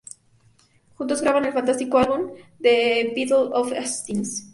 Juntos graban el fantástico álbum "The Battle of Hastings".